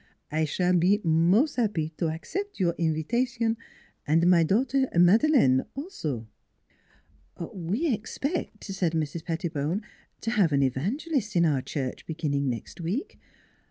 NEIGHBORS 205 I s'all be mos' happy to accept your invitation, my daughter Madeleine also." " We expect," said Mrs. Pettibone, " to have an evangelist in our church beginning next week.